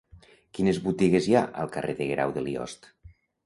Quines botigues hi ha al carrer de Guerau de Liost?